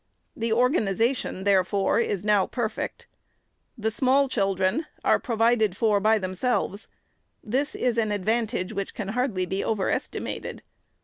The organization, therefore, is now perfect. The small chil dren are provided for, by themselves. This is an advan tage, which can hardly be over estimated.